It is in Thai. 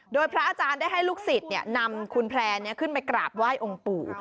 โดยพระอาจารย์ได้ให้ลูกศิษย์นำคุณแพร่ขึ้นไปกราบไหว้องค์ปู่